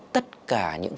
tất cả những